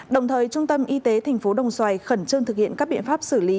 đồng thời trung tâm y tế thành phố đồng xoài khẩn trương thực hiện các biện pháp xử lý